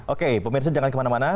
oke pemirsa jangan kemana mana